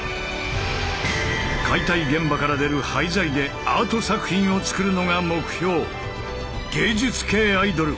解体現場から出る廃材でアート作品を作るのが目標。